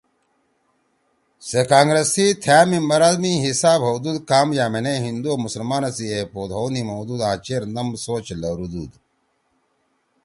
سے کانگرس سی تھأ ممبرا می حساب ہؤدُود کام یأمینے ہندُو او مسلمانا سی ایپوت ہؤ نیِمؤدُود آں چیر نَم سوچ )جدید خیالات( لروُدُود